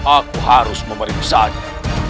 aku harus memeriksa dia